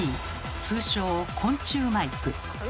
通称昆虫マイク。